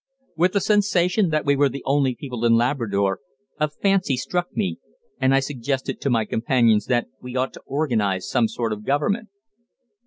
With the sensation that we were the only people in Labrador, a fancy struck me and I suggested to my companions that we ought to organise some sort of government.